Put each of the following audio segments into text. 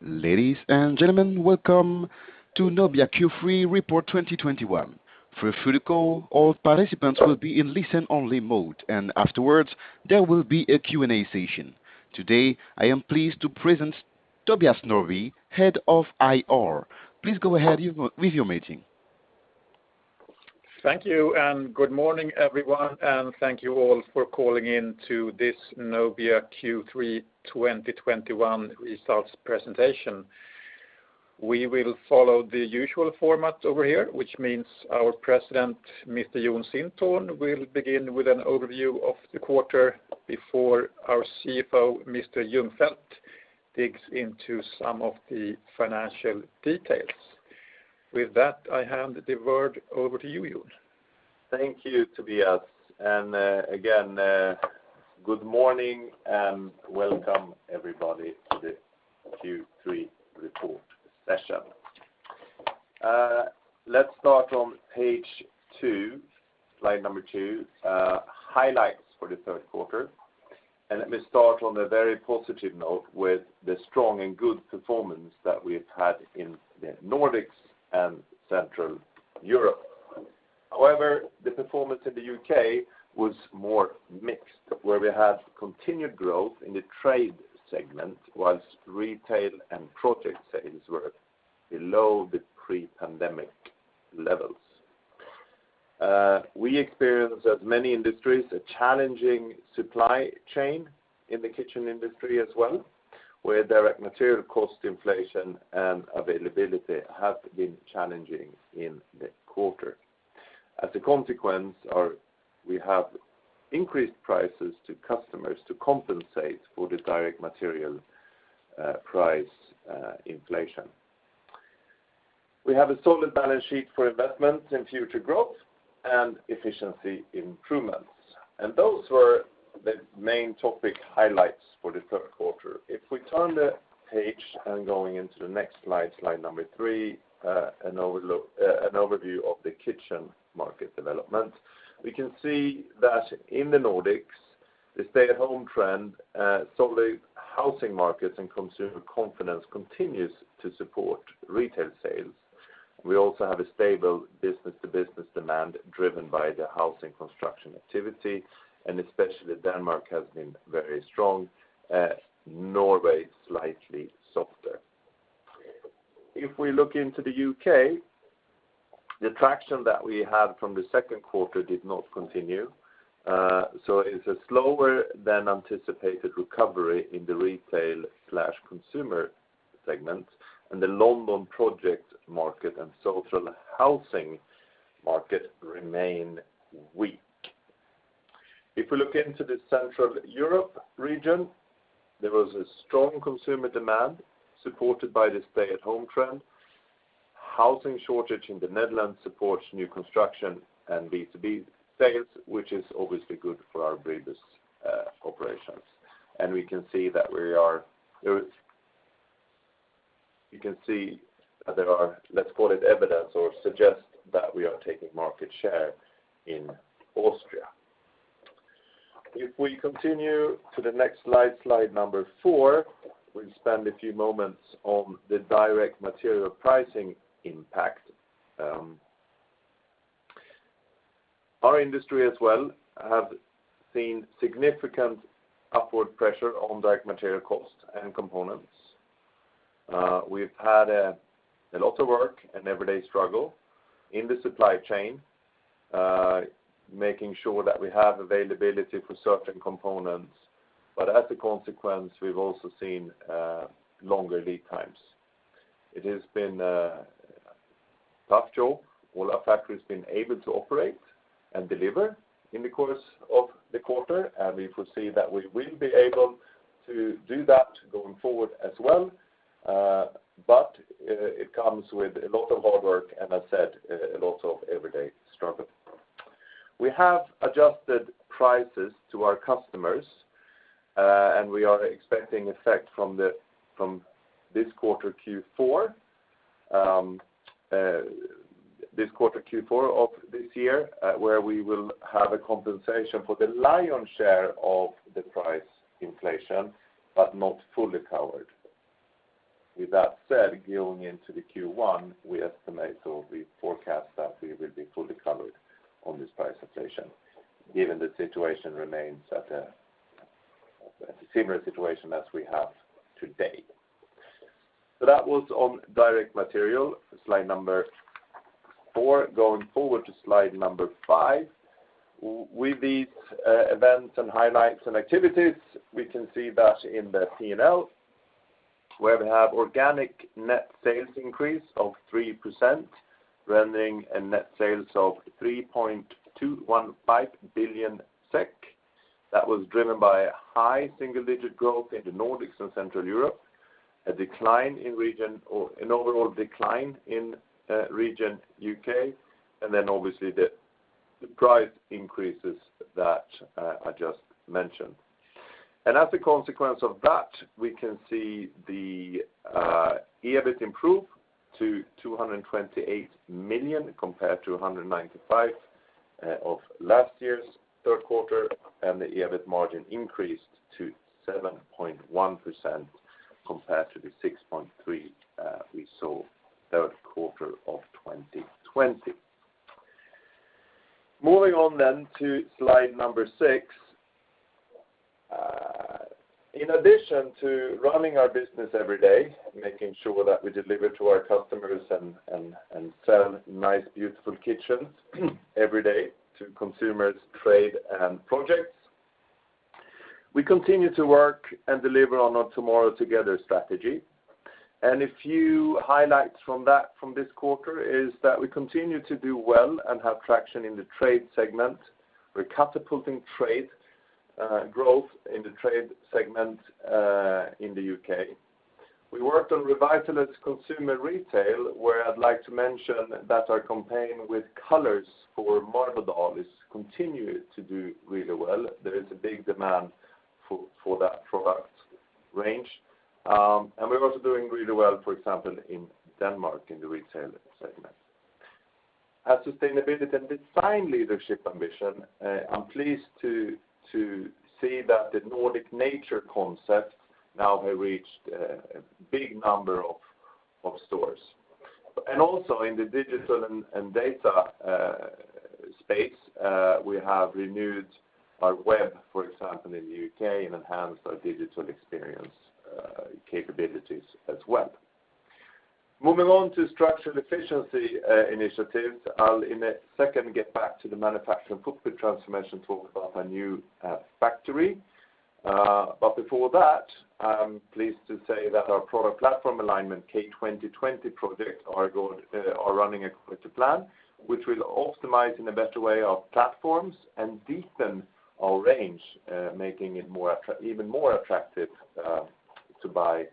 Ladies and gentlemen, welcome to Nobia Q3 Report 2021. Through the call, all participants will be in listen only mode, and afterwards there will be a Q&A session. Today, I am pleased to present Tobias Norrby, Head of IR. Please go ahead with your meeting. Thank you and good morning, everyone, and thank you all for calling in to this Nobia Q3 2021 results presentation. We will follow the usual format over here, which means our President, Mr. Jon Sintorn, will begin with an overview of the quarter before our CFO, Mr. Ljungfelt, digs into some of the financial details. With that, I hand the word over to you, Jon. Thank you, Tobias. Again, good morning and welcome everybody to the Q3 report session. Let's start on page two, slide number two, highlights for the third quarter. Let me start on a very positive note with the strong and good performance that we've had in the Nordics and Central Europe. However, the performance in the U.K. was more mixed, where we had continued growth in the trade segment, while retail and project sales were below the pre-pandemic levels. We experienced, as many industries, a challenging supply chain in the kitchen industry as well, where direct material cost inflation and availability have been challenging in the quarter. As a consequence, we have increased prices to customers to compensate for the direct material price inflation. We have a solid balance sheet for investment in future growth and efficiency improvements. Those were the main topic highlights for the third quarter. If we turn the page and going into the next slide number three, an overview of the kitchen market development, we can see that in the Nordics, the stay-at-home trend, solid housing markets and consumer confidence continues to support retail sales. We also have a stable business-to-business demand driven by the housing construction activity, and especially Denmark has been very strong, Norway, slightly softer. If we look into the U.K., the traction that we had from the second quarter did not continue, so it's a slower than anticipated recovery in the retail/consumer segment, and the London project market and social housing market remain weak. If we look into the Central Europe region, there was a strong consumer demand supported by the stay-at-home trend. Housing shortage in the Netherlands supports new construction and B2B sales, which is obviously good for our business operations. You can see there are, let's call it evidence or suggest that we are taking market share in Austria. If we continue to the next slide number four, we'll spend a few moments on the direct material pricing impact. Our industry as well have seen significant upward pressure on direct material cost and components. We've had a lot of work and everyday struggle in the supply chain, making sure that we have availability for certain components. But as a consequence, we've also seen longer lead times. It has been a tough job. All our factories been able to operate and deliver in the course of the quarter, and we foresee that we will be able to do that going forward as well. It comes with a lot of hard work, and as I said, a lot of everyday struggle. We have adjusted prices to our customers, and we are expecting effect from this quarter, Q4. This quarter, Q4 of this year, where we will have a compensation for the lion's share of the price inflation, but not fully covered. With that said, going into the Q1, we estimate or we forecast that we will be fully covered on this price inflation, given the situation remains at a similar situation as we have today. That was on direct material, slide number four. Going forward to slide number five. With these events and highlights and activities, we can see that in the P&L, where we have organic net sales increase of 3%, rendering net sales of 3.215 billion SEK. That was driven by high single digit growth in the Nordics and Central Europe, an overall decline in region U.K., and then obviously the price increases that I just mentioned. As a consequence of that, we can see the EBIT improve to 228 million compared to 195 million of last year's third quarter, and the EBIT margin increased to 7.1% compared to the 6.3% we saw third quarter of 2020. Moving on to slide number 6. In addition to running our business every day, making sure that we deliver to our customers and sell nice, beautiful kitchens every day to consumers, trade and projects. We continue to work and deliver on our Tomorrow Together strategy. A few highlights from this quarter is that we continue to do well and have traction in the trade segment. We're catapulting trade growth in the trade segment in the U.K. We worked on revitalize consumer retail, where I'd like to mention that our campaign with colors for Marbodal has continued to do really well. There is a big demand for that product range. We're also doing really well, for example, in Denmark, in the retail segment. Our sustainability and design leadership ambition, I'm pleased to see that the Nordic Nature concept now has reached a big number of stores. Also in the digital and data space, we have renewed our web, for example, in the U.K. and enhanced our digital experience capabilities as well. Moving on to structural efficiency initiatives. I'll in a second get back to the manufacturing footprint transformation, talk about our new factory. Before that, I'm pleased to say that our product platform alignment K2020 project is running according to plan, which will optimize in a better way our platforms and deepen our range, making it even more attractive to buy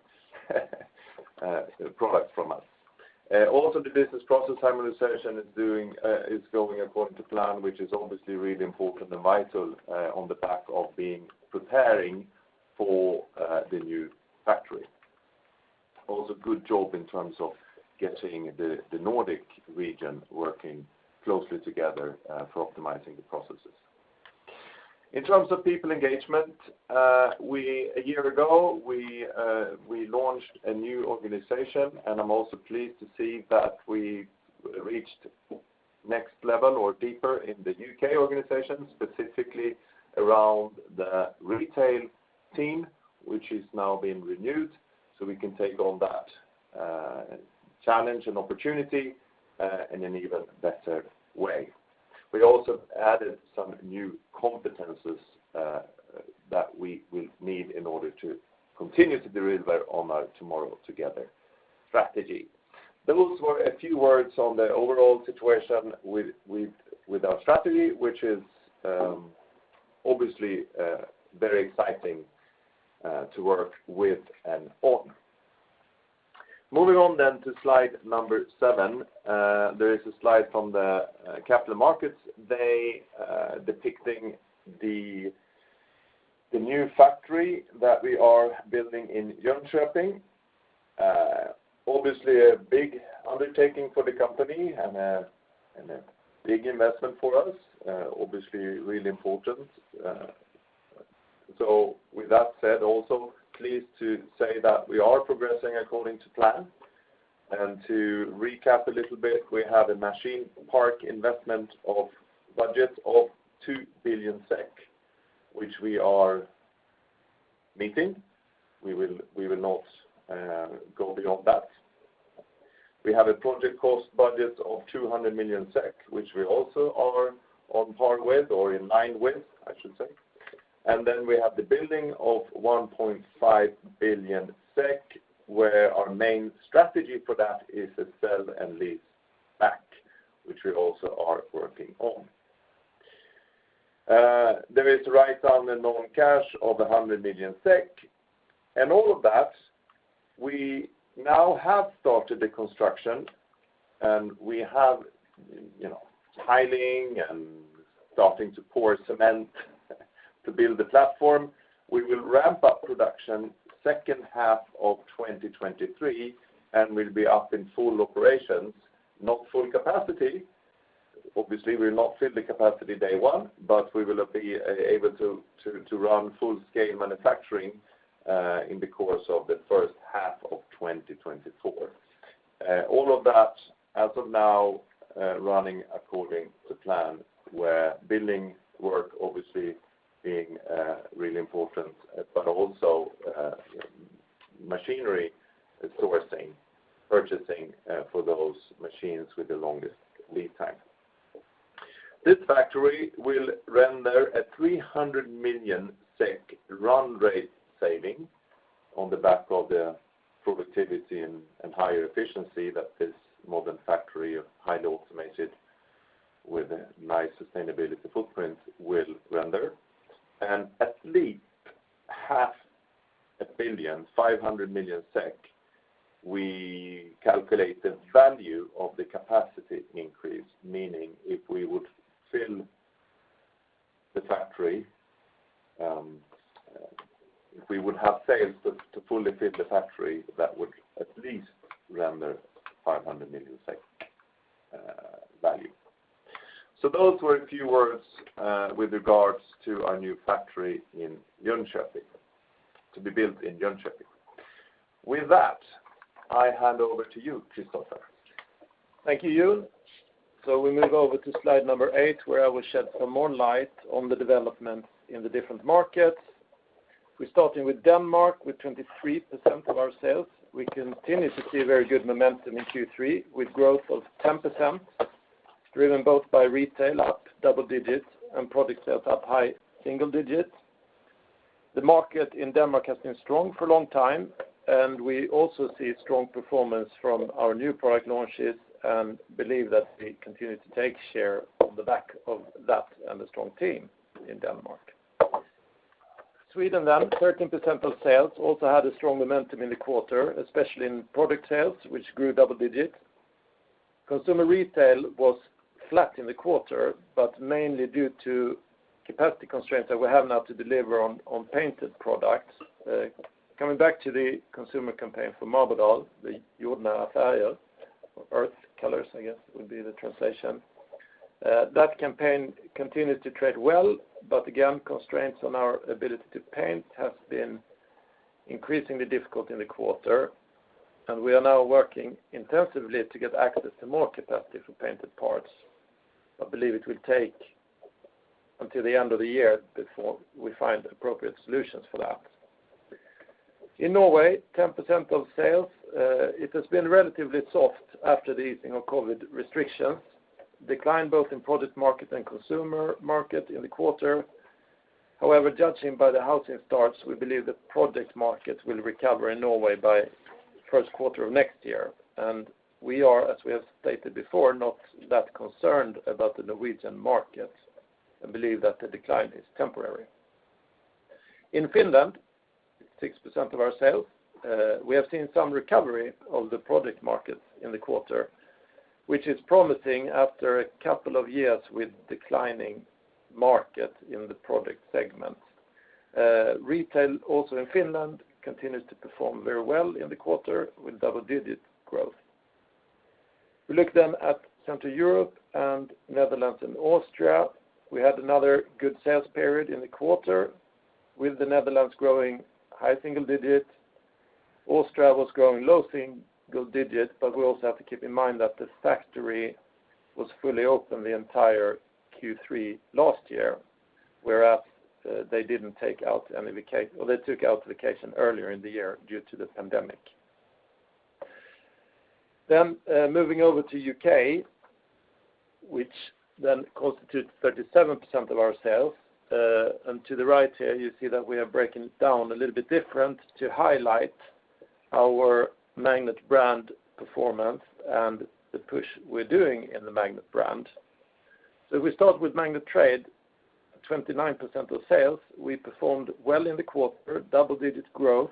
products from us. Also, the business process harmonization is going according to plan, which is obviously really important and vital on the back of being preparing for the new factory. Good job in terms of getting the Nordic region working closely together for optimizing the processes. In terms of people engagement, a year ago we launched a new organization, and I'm also pleased to see that we reached next level or deeper in the U.K. organization, specifically around the retail team, which is now being renewed, so we can take on that challenge and opportunity in an even better way. We also added some new competencies that we need in order to continue to do really well on our Tomorrow Together strategy. Those were a few words on the overall situation with our strategy, which is obviously very exciting to work with and on. Moving on then to slide number 7. There is a slide from the Capital Markets Day depicting the new factory that we are building in Jönköping. Obviously a big undertaking for the company and a big investment for us. Obviously really important. With that said, also pleased to say that we are progressing according to plan. To recap a little bit, we have a machine park investment budget of 2 billion SEK, which we are meeting. We will not go beyond that. We have a project cost budget of 200 million SEK, which we also are on par with or in line with, I should say. We have the building of 1.5 billion SEK, where our main strategy for that is to sell and lease back, which we also are working on. There is write-down in non-cash of 100 million SEK. All of that, we now have started the construction, and we have, you know, tiling and starting to pour cement to build the platform. We will ramp up production second half of 2023, and we'll be up in full operations, not full capacity. Obviously, we'll not fill the capacity day one, but we will be able to to run full-scale manufacturing in the course of the first half of 2024. All of that as of now running according to plan, where building work obviously being really important, but also machinery sourcing, purchasing for those machines with the longest lead time. This factory will render 300 million SEK run rate saving on the back of the productivity and higher efficiency that this modern factory of highly automated with a nice sustainability footprint will render. At least half a billion, 500 million SEK, we calculate the value of the capacity increase, meaning if we would fill the factory, if we would have sales to fully fit the factory, that would at least render 500 million, say, value. Those were a few words with regards to our new factory in Jönköping, to be built in Jönköping. With that, I hand over to you, Kristoffer. Thank you, Jon. We move over to slide number eight, where I will shed some more light on the development in the different markets. We're starting with Denmark, with 23% of our sales. We continue to see very good momentum in Q3, with growth of 10%, driven both by retail, up double digits, and product sales up high single digits. The market in Denmark has been strong for a long time, and we also see strong performance from our new product launches and believe that we continue to take share on the back of that and the strong team in Denmark. Sweden, 13% of sales, also had a strong momentum in the quarter, especially in product sales, which grew double digits. Consumer retail was flat in the quarter, but mainly due to capacity constraints that we have now to deliver on painted products. Coming back to the consumer campaign for Marbodal, the Jordnära färger, or Earth Colors, I guess, would be the translation. That campaign continued to trade well, but again, constraints on our ability to paint has been increasingly difficult in the quarter. We are now working intensively to get access to more capacity for painted parts. I believe it will take until the end of the year before we find appropriate solutions for that. In Norway, 10% of sales, it has been relatively soft after the easing of COVID restrictions. Decline both in product market and consumer market in the quarter. However, judging by the housing starts, we believe the product market will recover in Norway by first quarter of next year. We are, as we have stated before, not that concerned about the Norwegian market and believe that the decline is temporary. In Finland, 6% of our sales, we have seen some recovery of the product market in the quarter, which is promising after a couple of years with declining market in the product segment. Retail also in Finland continues to perform very well in the quarter with double-digit growth. We look then at Central Europe and Netherlands and Austria. We had another good sales period in the quarter, with the Netherlands growing high single-digit. Austria was growing low single-digit, but we also have to keep in mind that the factory was fully open the entire Q3 last year, whereas, Well, they took out vacation earlier in the year due to the pandemic. Moving over to U.K., which constitutes 37% of our sales. To the right here, you see that we are breaking it down a little bit different to highlight our Magnet brand performance and the push we're doing in the Magnet brand. We start with Magnet Trade, 29% of sales. We performed well in the quarter, double-digit growth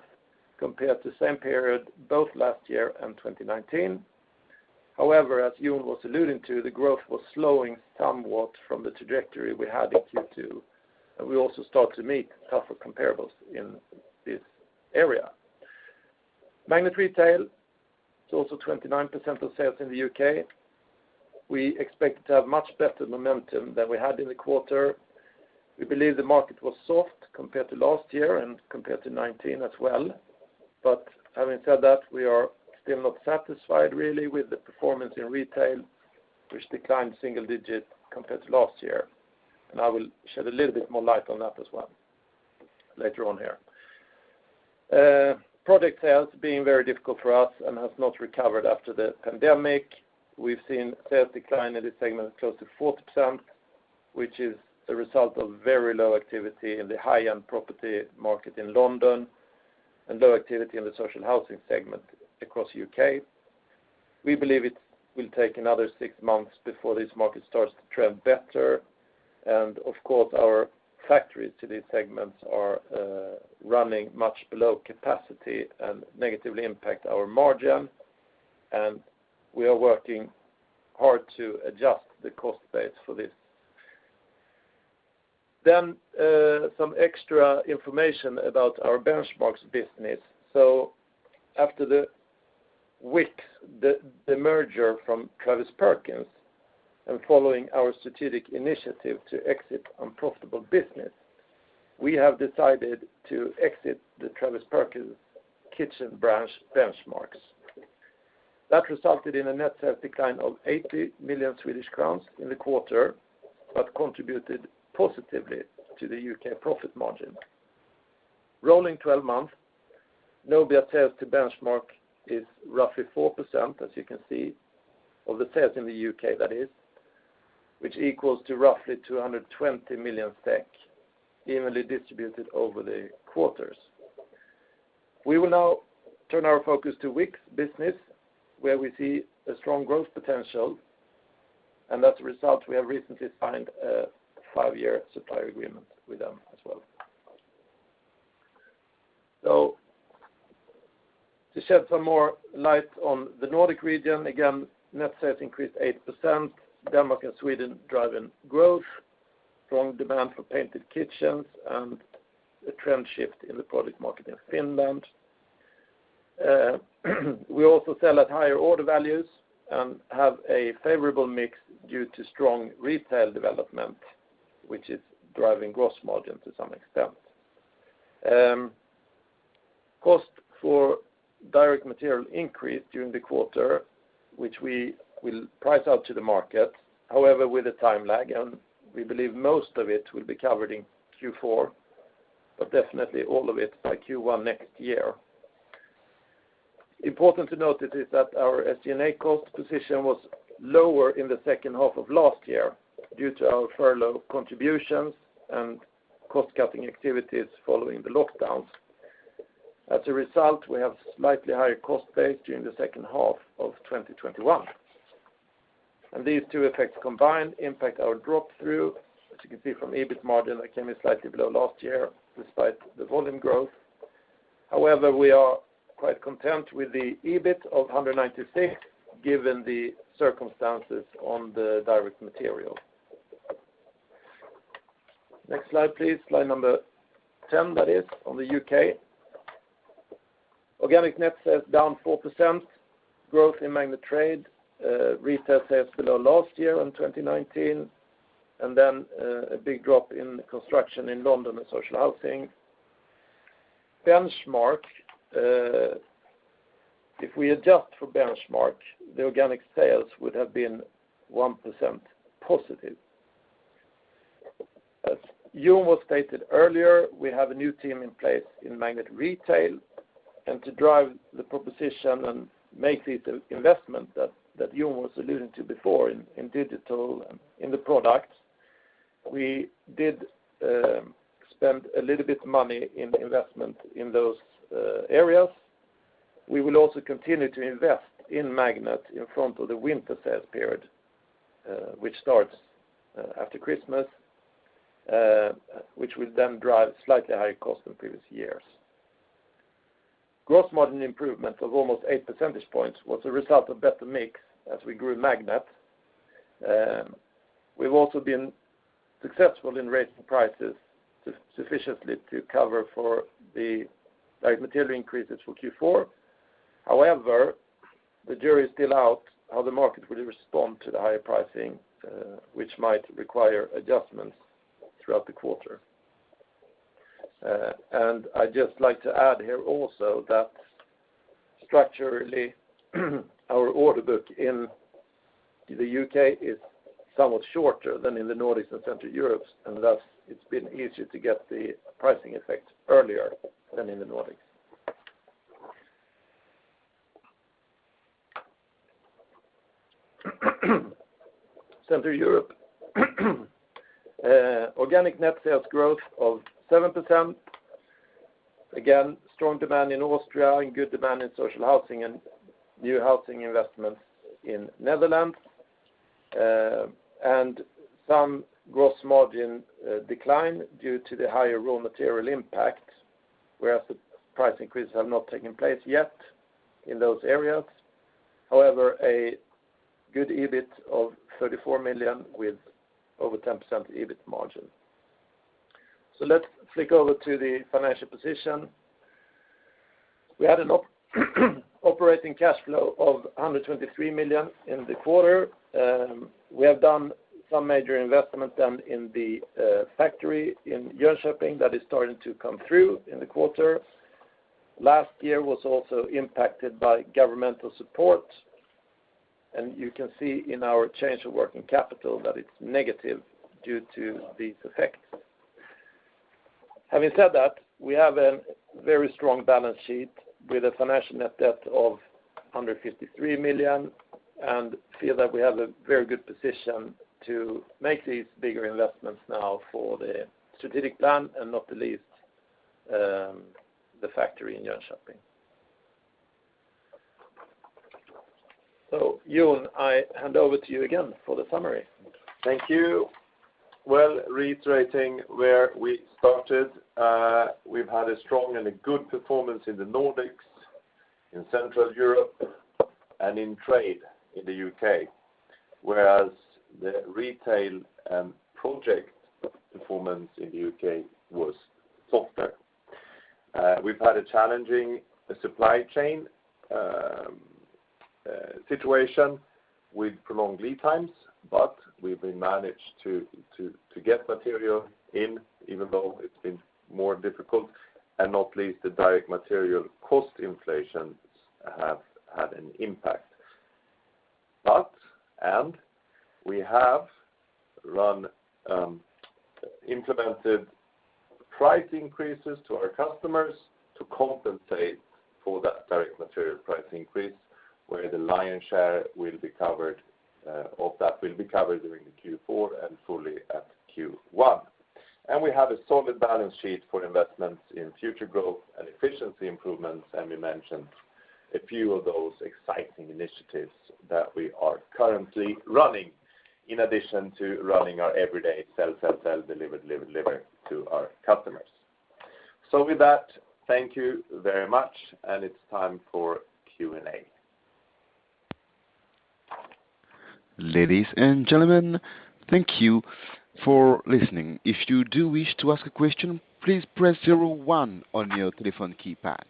compared to same period both last year and 2019. However, as Jon was alluding to, the growth was slowing somewhat from the trajectory we had in Q2, and we also start to meet tougher comparables in this area. Magnet Retail is also 29% of sales in the U.K. We expect to have much better momentum than we had in the quarter. We believe the market was soft compared to last year and compared to 2019 as well. Having said that, we are still not satisfied really with the performance in retail, which declined single-digit compared to last year. I will shed a little bit more light on that as well later on here. Product sales have been very difficult for us and has not recovered after the pandemic. We've seen sales decline in this segment close to 40%, which is the result of very low activity in the high-end property market in London and low activity in the social housing segment across the U.K. We believe it will take another six months before this market starts to trend better. Of course, our factories to these segments are running much below capacity and negatively impact our margin. We are working hard to adjust the cost base for this. Some extra information about our Benchmarx business. After the Wickes demerger from Travis Perkins, and following our strategic initiative to exit unprofitable business, we have decided to exit the Travis Perkins kitchen branch Benchmarx. That resulted in a net sales decline of 80 million Swedish crowns in the quarter, but contributed positively to the UK profit margin. Rolling 12 months, Nobia sales to Benchmarx is roughly 4%, as you can see, of the sales in the U.K., that is, which equals to roughly 220 million SEK, evenly distributed over the quarters. We will now turn our focus to Wickes business, where we see a strong growth potential, and as a result, we have recently signed a five-year supply agreement with them. To shed some more light on the Nordic region, again, net sales increased 8%, Denmark and Sweden driving growth, strong demand for painted kitchens, and a trend shift in the product market in Finland. We also sell at higher order values and have a favorable mix due to strong retail development, which is driving gross margin to some extent. Cost for direct material increased during the quarter, which we will price out to the market, however, with a time lag, and we believe most of it will be covered in Q4, but definitely all of it by Q1 next year. Important to note is that our SG&A cost position was lower in the second half of last year due to our furlough contributions and cost-cutting activities following the lockdowns. As a result, we have slightly higher cost base during the second half of 2021. These two effects combined impact our drop-through. As you can see from EBIT margin that came in slightly below last year despite the volume growth. However, we are quite content with the EBIT of 196, given the circumstances on the direct material. Next slide, please. Slide number 10, that is, on the U.K. Organic net sales down 4%, growth in Magnet Trade, retail sales below last year in 2019, and then, a big drop in construction in London and social housing. Benchmarx, if we adjust for Benchmarx, the organic sales would have been 1% positive. As Jon stated earlier, we have a new team in place in Magnet Retail, and to drive the proposition and make these investment that Jon was alluding to before in digital and in the product, we did spend a little bit money in investment in those areas. We will also continue to invest in Magnet in front of the winter sales period, which starts after Christmas, which will then drive slightly higher cost than previous years. Gross margin improvement of almost eight percentage points was a result of better mix as we grew Magnet. We've also been successful in raising prices sufficiently to cover for the direct material increases for Q4. However, the jury is still out how the market will respond to the higher pricing, which might require adjustments throughout the quarter. I'd just like to add here also that structurally, our order book in the U.K. is somewhat shorter than in the Nordics and Central Europe, and thus it's been easier to get the pricing effect earlier than in the Nordics and Central Europe. Organic net sales growth of 7%. Again, strong demand in Austria and good demand in social housing and new housing investments in Netherlands. And some gross margin decline due to the higher raw material impact, whereas the price increases have not taken place yet in those areas. However, a good EBIT of 34 million with over 10% EBIT margin. Let's flick over to the financial position. We had an operating cash flow of 123 million in the quarter. We have done some major investment then in the factory in Jönköping that is starting to come through in the quarter. Last year was also impacted by governmental support, and you can see in our change of working capital that it's negative due to these effects. Having said that, we have a very strong balance sheet with a financial net debt of 153 million, and feel that we have a very good position to make these bigger investments now for the strategic plan and not the least, the factory in Jönköping. Jon, I hand over to you again for the summary. Thank you. Well, reiterating where we started, we've had a strong and a good performance in the Nordics, in Central Europe, and in trade in the U.K., whereas the retail and project performance in the U.K. was softer. We've had a challenging supply chain situation with prolonged lead times, but we've managed to get material in even though it's been more difficult, and not least the direct material cost inflation has had an impact. We have implemented price increases to our customers to compensate for that direct material price increase, where the lion's share of that will be covered during the Q4 and fully at Q1. We have a solid balance sheet for investments in future growth and efficiency improvements, and we mentioned A few of those exciting initiatives that we are currently running in addition to running our everyday sell, sell, deliver, deliver to our customers. With that, thank you very much, and it's time for Q&A. Ladies and gentlemen, thank you for listening. If you do wish to ask a question, please press zero one on your telephone keypad.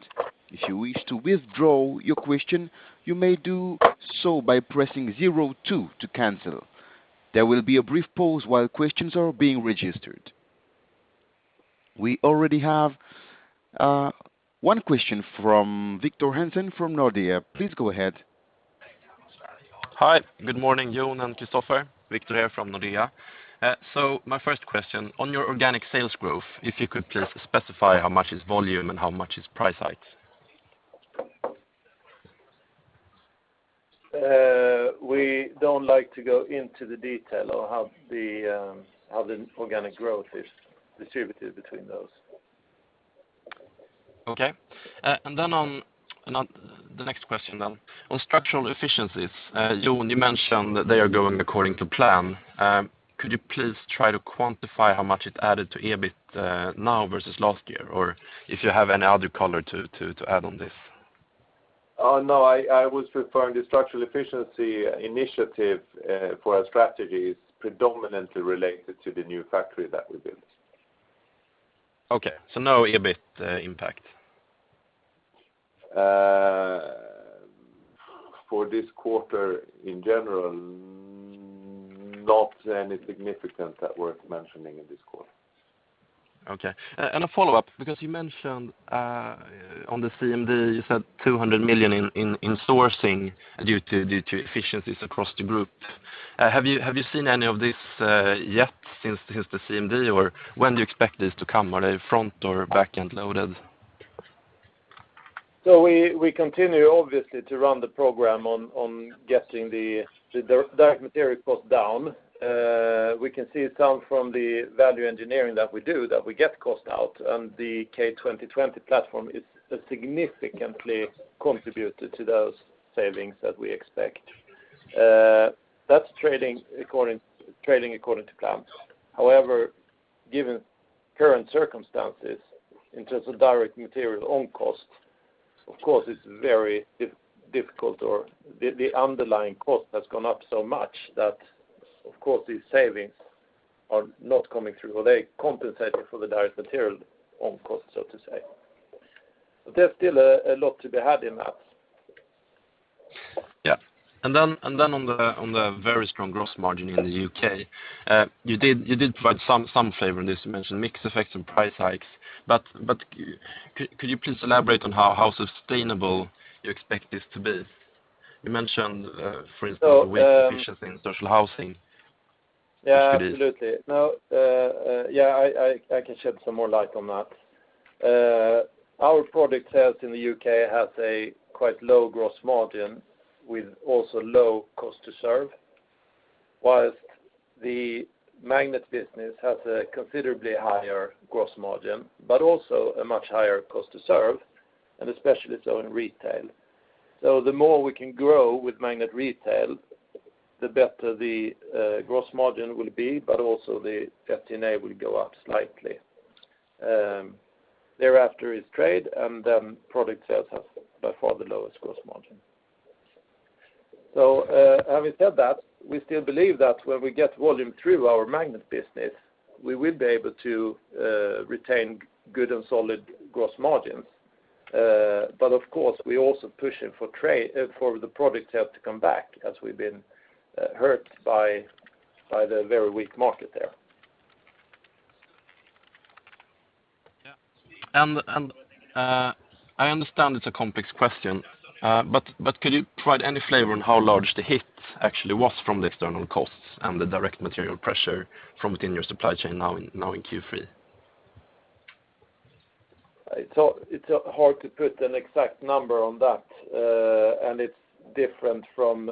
If you wish to withdraw your question, you may do so by pressing zero two to cancel. There will be a brief pause while questions are being registered. We already have one question from Victor Hansen from Nordea. Please go ahead. Hi. Good morning, Jon and Kristoffer. Victor here from Nordea. My first question, on your organic sales growth, if you could please specify how much is volume and how much is price hikes? We don't like to go into the detail of how the organic growth is distributed between those. Okay. On the next question. On structural efficiencies, Jon, you mentioned that they are going according to plan. Could you please try to quantify how much it added to EBIT now versus last year? Or if you have any other color to add on this. Oh, no. I was referring to structural efficiency initiative for our strategies predominantly related to the new factory that we built. Okay, no EBIT impact? For this quarter in general, not anything significant that's worth mentioning in this quarter. Okay. A follow-up, because you mentioned on the CMD, you said 200 million in sourcing due to efficiencies across the group. Have you seen any of this yet since the CMD, or when do you expect this to come? Are they front or back-end loaded? We continue obviously to run the program on getting the direct material cost down. We can see savings from the value engineering that we do, that we get cost out, and the K2020 platform is significantly contributed to those savings that we expect. That's trading according to plans. However, given current circumstances in terms of direct material input cost, of course it's very difficult, but the underlying cost has gone up so much that, of course, these savings are not coming through, or they compensated for the direct material input cost, so to say. There's still a lot to be had in that. Yeah. On the very strong gross margin in the U.K., you did provide some flavor in this. You mentioned mix effects and price hikes. Could you please elaborate on how sustainable you expect this to be? You mentioned, for instance- So, um- Weak efficiency in social housing. Yeah, absolutely. Could it be- No, yeah, I can shed some more light on that. Our product sales in the UK has a quite low gross margin with also low cost to serve, while the Magnet business has a considerably higher gross margin, but also a much higher cost to serve, and especially so in retail. The more we can grow with Magnet Retail, the better the gross margin will be, but also the SG&A will go up slightly. Thereafter is trade, and then product sales has by far the lowest gross margin. Having said that, we still believe that when we get volume through our Magnet business, we will be able to retain good and solid gross margins. Of course, we're also pushing for the product sales to come back as we've been hurt by the very weak market there. I understand it's a complex question, but could you provide any flavor on how large the hit actually was from the external costs and the direct material pressure from within your supply chain now in Q3? It's hard to put an exact number on that, and it's different from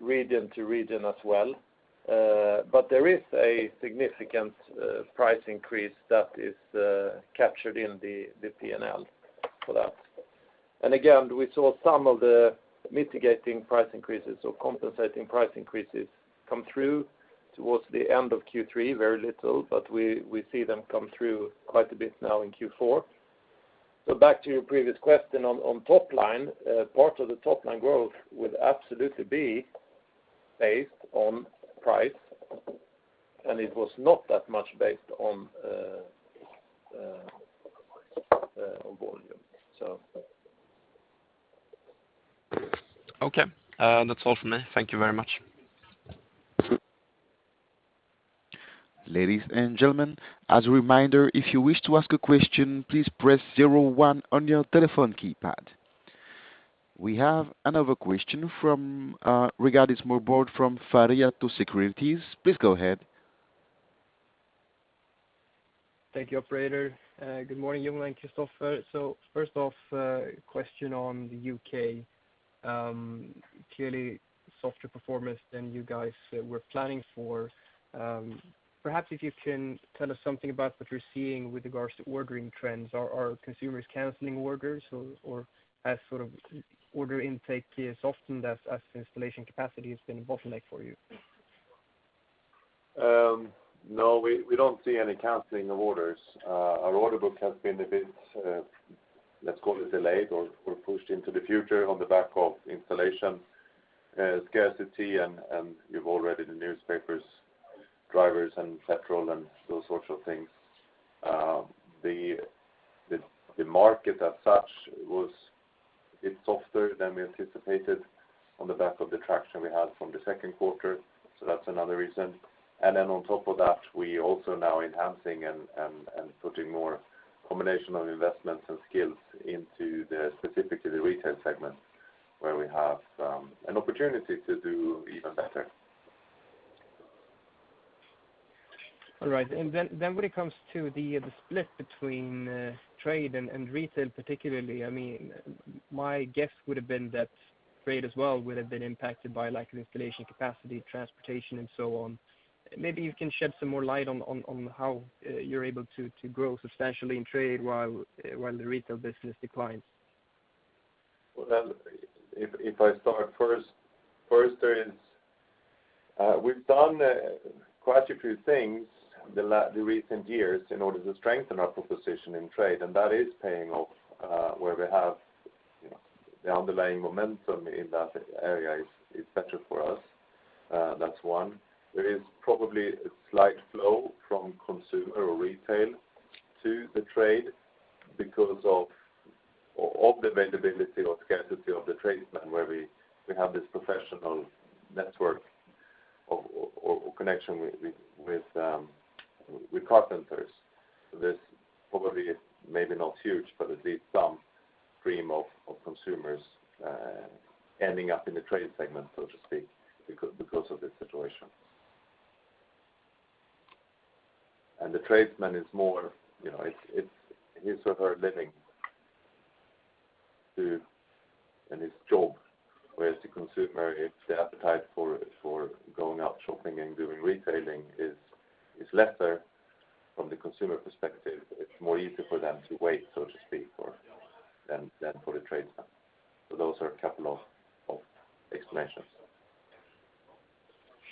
region to region as well. But there is a significant price increase that is captured in the P&L for that. Again, we saw some of the mitigating price increases or compensating price increases come through towards the end of Q3, very little, but we see them come through quite a bit now in Q4. Back to your previous question on top line, part of the top-line growth would absolutely be based on price, and it was not that much based on on volume. Okay. That's all from me. Thank you very much. Ladies and gentlemen, as a reminder, if you wish to ask a question, please press zero one on your telephone keypad. We have another question from [Småbord] from Pareto Securities. Please go ahead. Thank you, operator. Good morning, Jon and Kristoffer. First off, a question on the U.K. Clearly softer performance than you guys were planning for. Perhaps if you can tell us something about what you're seeing with regards to ordering trends. Are consumers canceling orders or as sort of order intake is often as installation capacity has been a bottleneck for you? No, we don't see any canceling of orders. Our order book has been a bit, let's call it delayed or pushed into the future on the back of installation scarcity and you've all read in the newspapers, drivers and petrol and those sorts of things. The market as such was a bit softer than we anticipated on the back of the traction we had from the second quarter, so that's another reason. On top of that, we also now enhancing and putting more combination of investments and skills into the specifically the retail segment where we have an opportunity to do even better. All right. When it comes to the split between trade and retail particularly, I mean, my guess would've been that trade as well would've been impacted by lack of installation capacity, transportation and so on. Maybe you can shed some more light on how you're able to grow substantially in trade while the retail business declines? Well, then if I start first, there is we've done quite a few things the recent years in order to strengthen our proposition in trade, and that is paying off, where we have, you know, the underlying momentum in that area is better for us. That's one. There is probably a slight flow from consumer or retail to the trade because of the availability or scarcity of the tradesman, where we have this professional network of or connection with carpenters. This probably is maybe not huge, but at least some stream of consumers ending up in the trade segment, so to speak, because of this situation. The tradesman is more, you know, it's his or her living to. In his job, whereas the consumer, it's the appetite for going out shopping and doing retailing is lesser from the consumer perspective. It's more easy for them to wait, so to speak, rather than for the tradesman. Those are a couple of explanations.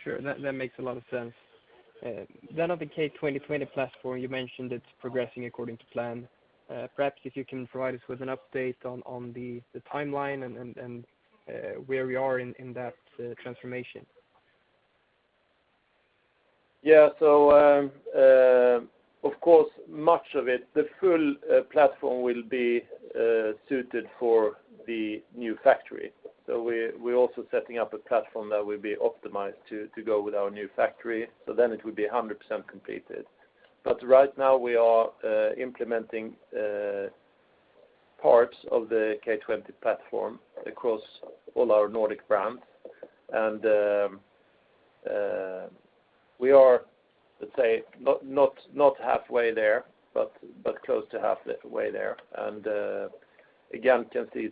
Sure. That makes a lot of sense. On the K2020 platform, you mentioned it's progressing according to plan. Perhaps if you can provide us with an update on where we are in that transformation. Yeah. Of course, much of it, the full platform will be suited for the new factory. We are also setting up a platform that will be optimized to go with our new factory, so then it would be 100% completed. Right now we are implementing parts of the K2020 platform across all our Nordic brands. We are, let's say, not halfway there, but close to halfway there. Again, we can see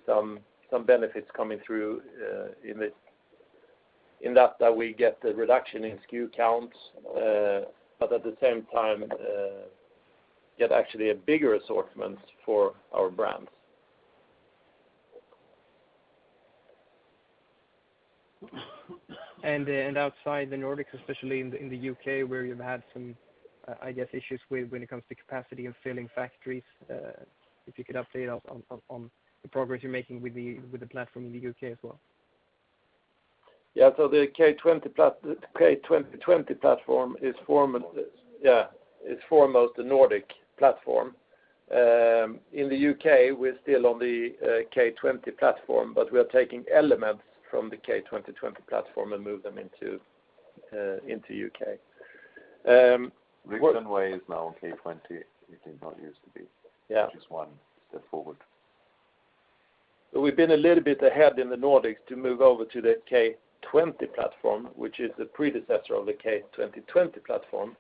some benefits coming through in this, that we get the reduction in SKU counts, but at the same time, get actually a bigger assortment for our brands. Outside the Nordics, especially in the U.K. where you've had some, I guess, issues with when it comes to capacity of filling factories, if you could update us on the progress you're making with the platform in the U.K. as well. The K2020 platform is foremost the Nordic platform. In the U.K. we're still on the K2020 platform, but we are taking elements from the K2020 platform and move them into U.K. What- Rixonway is now on K2020, it did not used to be. Yeah. Which is one step forward. We've been a little bit ahead in the Nordics to move over to the K20 platform, which is the predecessor of the K2020 platform,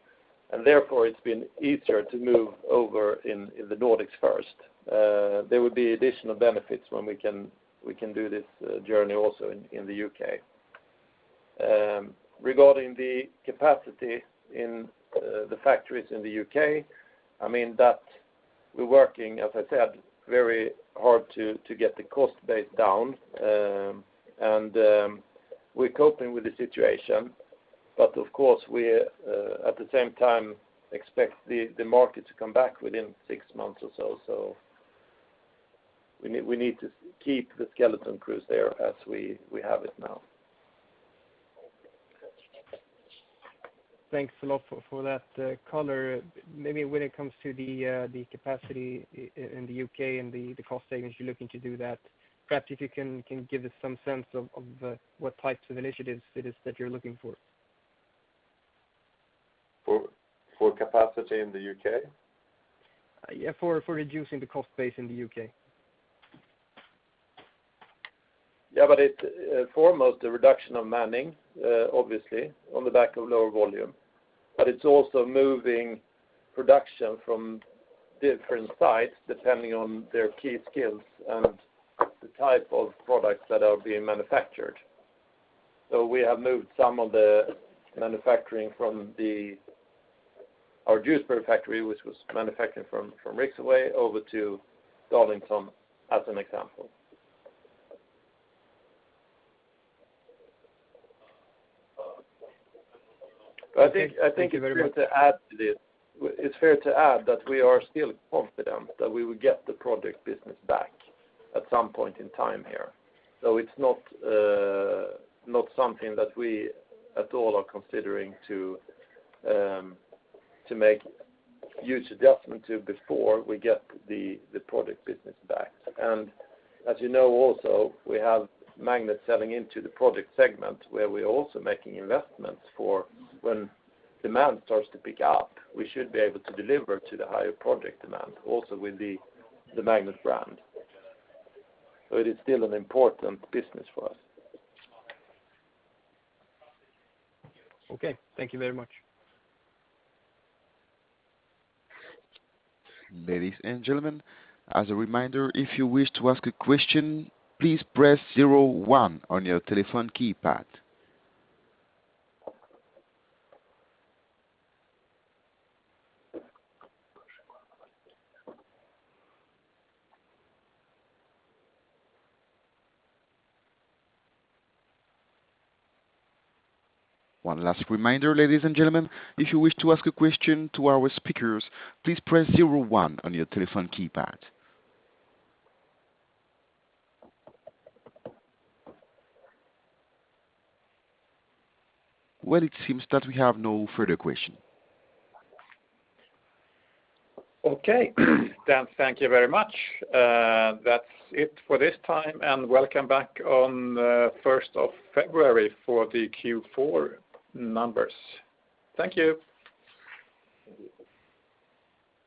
and therefore it's been easier to move over in the Nordics first. There will be additional benefits when we can do this journey also in the U.K. Regarding the capacity in the factories in the U.K., I mean, that we're working, as I said, very hard to get the cost base down. We're coping with the situation, but of course we at the same time expect the market to come back within six months or so. We need to keep the skeleton crews there as we have it now. Thanks a lot for that color. Maybe when it comes to the capacity in the U.K. and the cost savings you're looking to do that, perhaps if you can give us some sense of what types of initiatives it is that you're looking for. For capacity in the U.K.? Yeah, for reducing the cost base in the U.K. It's foremost the reduction of manning, obviously on the back of lower volume. It's also moving production from different sites depending on their key skills and the type of products that are being manufactured. We have moved some of the manufacturing from our Rixonway factory over to Darlington as an example. Uh. I think it's fair to add to this. It's fair to add that we are still confident that we will get the project business back at some point in time here. It's not something that we at all are considering to make huge adjustment to before we get the project business back. As you know, also, we have Magnet selling into the project segment where we're also making investments for when demand starts to pick up, we should be able to deliver to the higher project demand also with the Magnet brand. It is still an important business for us. Okay, thank you very much. Ladies and gentlemen, as a reminder, if you wish to ask a question, please press zero one on your telephone keypad. One last reminder, ladies and gentlemen, if you wish to ask a question to our speakers, please press zero one on your telephone keypad. Well, it seems that we have no further question. Okay. Dan, thank you very much. That's it for this time, and welcome back on first of February for the Q4 numbers. Thank you. Thank you.